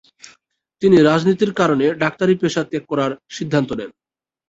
তিনি রাজনীতির কারণে তিনি ডাক্তারি পেশা ত্যাগ করার সিদ্ধান্ত নেন।